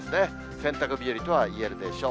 洗濯日和とはいえるでしょう。